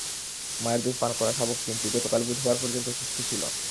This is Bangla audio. মায়ের দুধ পান করা শাবক তিনটি গতকাল বুধবার পর্যন্ত সুস্থ ছিল।